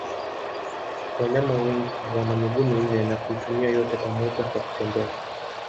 Wanyama wengi wana miguu minne na kuitumia yote pamoja kwa kutembea.